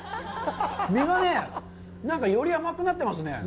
身がね、より甘くなってますね。